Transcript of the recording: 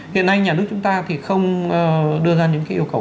hiện nay nhà nước chúng ta không đưa ra những yêu cầu